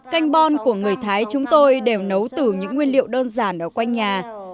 canh bon của người thái chúng tôi đều nấu từ những nguyên liệu đơn giản ở quanh nhà